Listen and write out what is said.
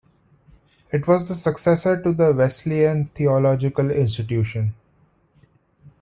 It was the successor to the Wesleyan Theological Institution.